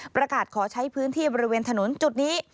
ประกาศขอใช้พื้นที่บริเวณถนนจุดนี้